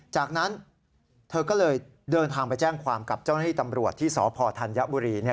จากนั้นเธอก็เลยเดินทางไปแจ้งความกับเจ้าหน้าที่ตำรวจที่สพธัญบุรี